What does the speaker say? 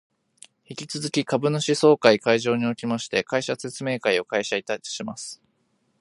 引き続き株主総会会場におきまして、会社説明会を開催いたします